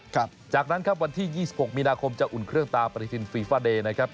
ครับจากนั้นครับวันที่๒๖มีนาคมจะอุ่นเครื่องตามปฏิทินฟีฟาเดย์นะครับ